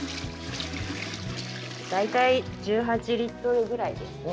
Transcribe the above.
大体１８リットルぐらいですね。